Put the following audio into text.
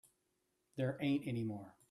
There ain't any more.